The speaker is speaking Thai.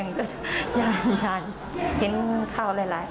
อันนี้แม่งอียางเนี่ย